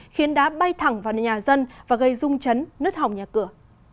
khiến đá bay thẳng vào nhà dân và gây rung chấn nứt hỏng nhà cửa